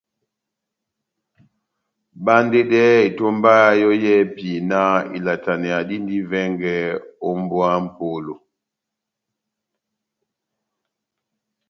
Bandedɛhɛ etomba yɔ́ yɛ́hɛ́pi náh ilataneya dindi vɛngɛ ó mbówa ya mʼpolo !